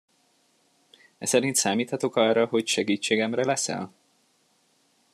Eszerint számíthatok arra, hogy segítségemre leszel?